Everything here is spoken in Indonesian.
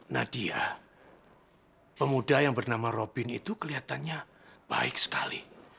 nadia pemuda yang bernama robin itu kelihatannya baik sekali